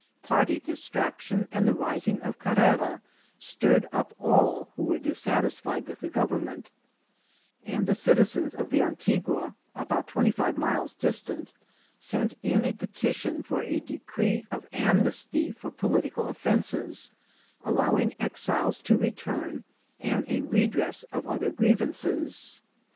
Party distraction and the rising of Carrera stirred up all who were dissatisfied with the government ; and the citizens of the Antigua, about twenty five miles distant, sent in a petition for a decree of amnesty for political offences, allowing exiles to return, and a redress of other grievances.